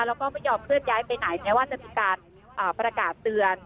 แล้วก็ไม่ยอมเคลื่อนย้ายไปไหนแม้ว่าจะมีการประกาศเตือน